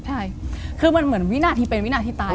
ใช่คือมันเหมือนวินาทีเป็นวินาทีตาย